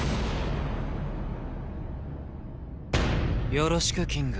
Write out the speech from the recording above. よろしくキング。